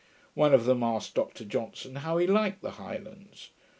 One of them asked Dr Johnson how he liked the Highlands.